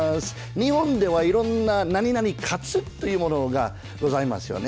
日本ではいろんななになに活というものがございますよね。